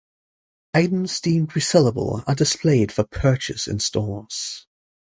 Items deemed resellable are displayed for purchase in stores.